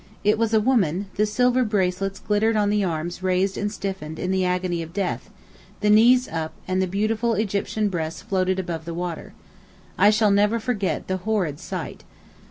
It was a woman: the silver bracelets glittered on the arms raised and stiffened in the agony of death, the knees up and the beautiful Egyptian breasts floated above the water. I shall never forget the horrid sight.